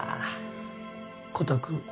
コタくん